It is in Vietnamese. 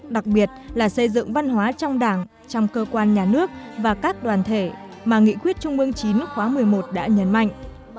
đặc biệt là xây dựng văn hóa trong đảng trong cơ quan nhà nước và các đoàn thể mà nghị quyết trung ương chín khóa một mươi một đã nhấn mạnh